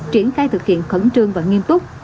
triển khai thực hiện khẩn trương và nghiêm túc